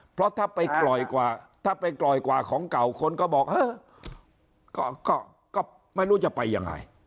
เพราะถ้าไปปล่อยกว่าถ้าไปปล่อยกว่าของเก่าคนก็บอกเออก็ไม่รู้จะไปยังไง